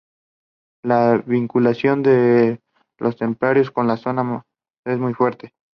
La vinculación de los templarios con la zona es muy fuerte.